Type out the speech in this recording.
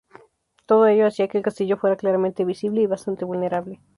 Todo ello hacía que el castillo fuera claramente visible y bastante vulnerable.